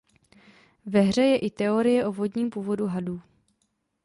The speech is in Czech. Ve hře je i teorie o vodním původu hadů.